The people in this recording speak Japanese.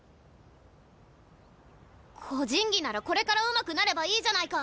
個人技ならこれからうまくなればいいじゃないか！